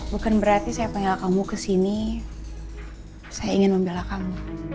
bukan berarti saya pengen kamu kesini saya ingin membela kamu